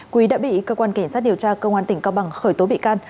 quý đã bị cơ quan cảnh sát điều tra công an tỉnh cao bằng khởi tố bị can